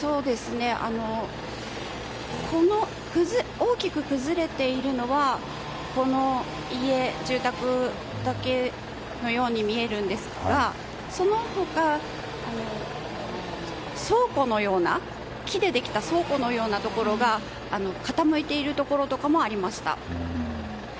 大きく崩れているのはこの住宅だけのように見えるんですがその他、木でできた倉庫のようなところが傾いているところとかもありました。